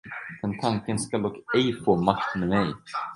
Den tanken skall dock ej få makt med mig.